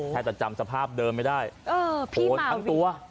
แทบจะจำสภาพเดิมไม่ได้โหดทั้งตัว